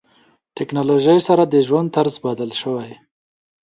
ټکنالوژي سره د ژوند طرز بدل شوی.